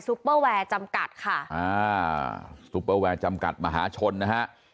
ปเปอร์แวร์จำกัดค่ะอ่าซุปเปอร์แวร์จำกัดมหาชนนะฮะ